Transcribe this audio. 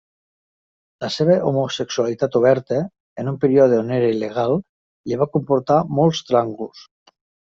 La seva homosexualitat oberta, en un període on era il·legal, li va comportar molts tràngols.